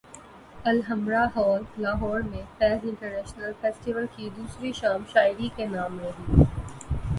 Alhamra hall Lahore میں Faiz international festival کی دوسری شام شاعری کے نام رہی